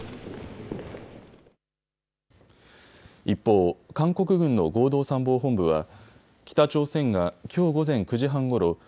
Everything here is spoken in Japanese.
一方、韓国軍の合同参謀本部は北朝鮮がきょう午前９時半ごろ